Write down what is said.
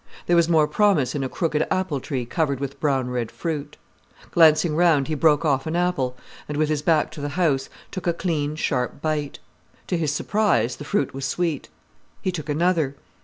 There was more promise in a crooked apple tree covered with brown red fruit. Glancing round, he broke off an apple and, with his back to the house, took a clean, sharp bite. To his surprise the fruit was sweet. He took another.